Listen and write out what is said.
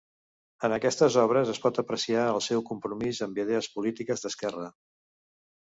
En aquestes obres es pot apreciar el seu compromís amb idees polítiques d'esquerra.